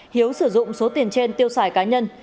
hiếu sử dụng số tiền trên tiêu xài cá nhân